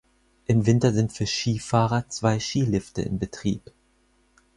Im Winter sind für Skifahrer zwei Skilifte in Betrieb.